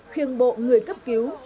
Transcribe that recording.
khuyên bộ người cấp cứu